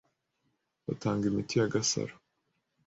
Batanga imiti ya Gasaro.